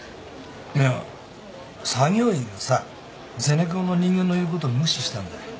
いや作業員がさゼネコンの人間の言うこと無視したんだ。